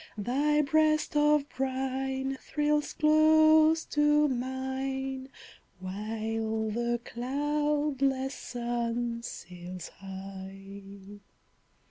Thy breast of brine thrills close to mine, While the cloudless sun sails high.